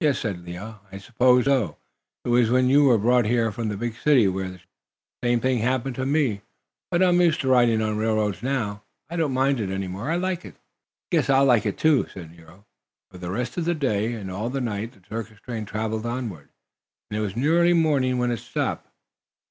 "Yes," said Leo, "I suppose so. It was when you were brought here from the big city where the ship landed. The same thing happened to me. But I am used to riding on railroads now. I don't mind it any more. I like it." "I guess I'll like it, too," said Nero. For the rest of that day and all the night the circus train traveled onward, and it was nearly morning when it stopped.